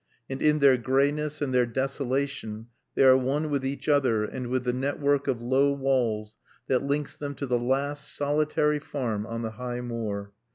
And in their grayness and their desolation they are one with each other and with the network of low walls that links them to the last solitary farm on the High Moor.